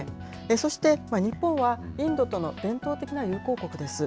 そして日本は、インドとの伝統的な友好国です。